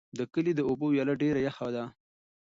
د کلي د اوبو ویاله ډېره یخه ده.